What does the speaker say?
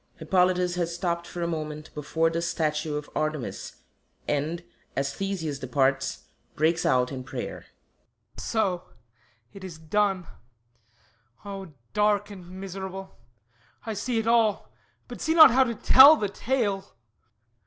_ HIPPOLYTUS _has stopped for a moment before the Statue of _ARTEMIS, and, as THESEUS departs, breaks out in prayer.] HIPPOLYTUS So; it is done! O dark and miserable! I see it all, but see not how to tell The tale.